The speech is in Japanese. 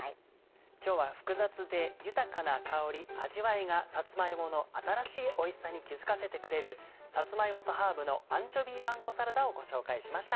今日は複雑で豊かな香り味わいがさつま芋の新しいおいしさに気付かせてくれる「さつま芋とハーブのアンチョビーパン粉サラダ」をご紹介しました